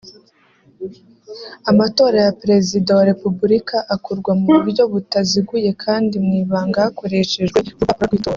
Amatora ya Perezida wa Repubulika akorwa mu buryo butaziguye kandi mu ibanga hakoreshejwe urupapuro rw’itora